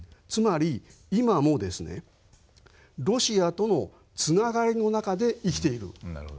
つまり今もロシアとのつながりの中で生きている地域ですよ。